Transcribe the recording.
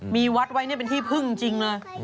มีวัดไว้เป็นที่พึ่งจริงเลย